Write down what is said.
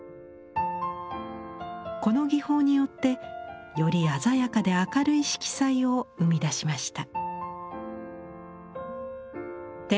この技法によってより鮮やかで明るい色彩を生み出しました。